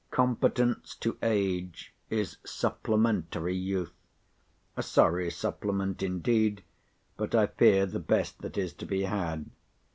Competence to age is supplementary youth; a sorry supplement indeed, but I fear the best that is to be had.